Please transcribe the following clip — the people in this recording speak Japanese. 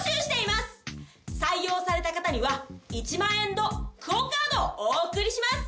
採用された方には１万円のＱＵＯカードをお送りします。